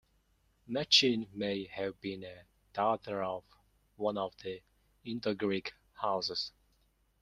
Machene may have been a daughter of one of the Indo-Greek houses.